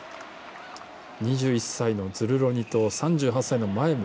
２１歳のズルロニと３８歳のマウェム。